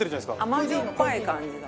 甘じょっぱい感じだ。